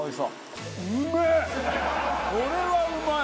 これはうまい！